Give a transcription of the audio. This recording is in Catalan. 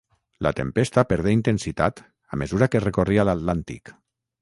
La tempesta perdé intensitat a mesura que recorria l'Atlàntic.